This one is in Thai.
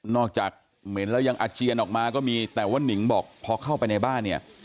จากเหม็นแล้วยังอาเจียนออกมาก็มีแต่ว่านิงบอกพอเข้าไปในบ้านเนี่ย